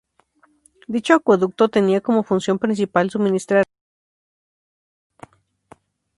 Dicho acueducto tenía como función principal suministrar agua al lado Oeste de la ciudad.